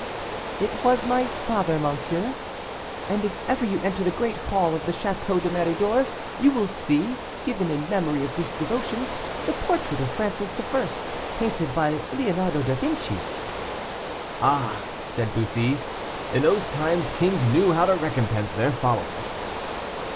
"It was my father, monsieur, and if ever you enter the great hall of the Château de Méridor you will see, given in memory of this devotion, the portrait of Francis I., painted by Leonardo da Vinci." "Ah!" said Bussy, "in those times kings knew how to recompense their followers."